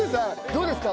どうですか？